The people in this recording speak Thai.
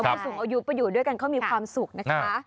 ผู้สูงอายุไปอยู่ด้วยกันเขามีความสุขนะคะ